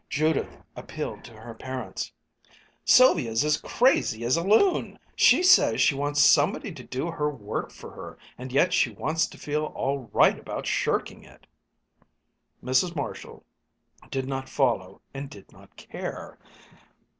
Judith appealed to her parents: "Sylvia's as crazy as a loon. She says she wants somebody to do her work for her, and yet she wants to feel all right about shirking it!" Mrs. Marshall did not follow, and did not care.